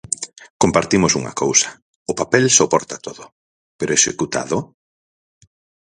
Compartimos unha cousa, o papel soporta todo, ¿pero executado?